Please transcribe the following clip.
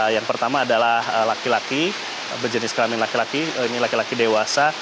yang pertama adalah laki laki berjenis kelamin laki laki ini laki laki dewasa